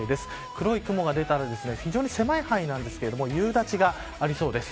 黒い雲が出たら非常に狭い範囲ですが夕立がありそうです。